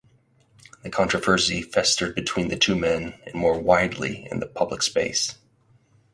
The controversy festered between the two men and more widely in the public space.